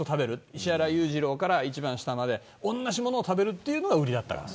石原裕次郎から一番下まで同じものを食べるというのが売りだったから。